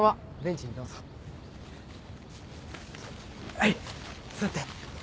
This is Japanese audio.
はい座って。